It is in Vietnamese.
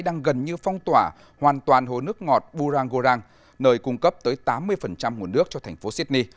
đang gần như phong tỏa hoàn toàn hồ nước ngọt burangorang nơi cung cấp tới tám mươi nguồn nước cho thành phố sydney